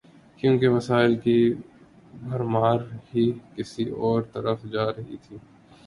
کیونکہ وسائل کی بھرمار ہی کسی اور طرف جا رہی تھی۔